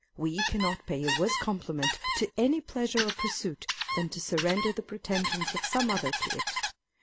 We cannot pay a worse compliment to any pleasure or pursuit than to surrender the pretensions of some other to it.